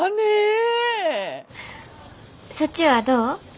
そっちはどう？